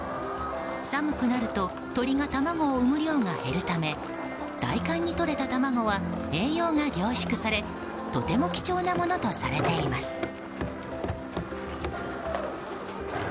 寒くなると鳥が卵を産む量が減るため大寒にとれた卵は栄養が凝縮されとても貴重なものとされています。